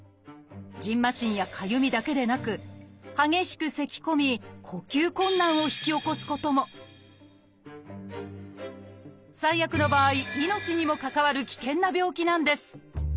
今日のテーマはだけでなく激しくせきこみ呼吸困難を引き起こすことも最悪の場合命にも関わる危険な病気なんです